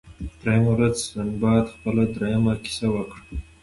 دریمه ورځ سنباد خپله دریمه کیسه وکړه.